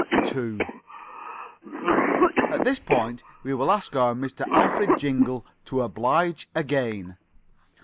2 At this point we will ask our Mr. Alfred Jingle to oblige again.